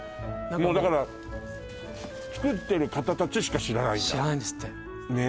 もうだから作ってる方たちしか知らないんだ知らないんですってねえ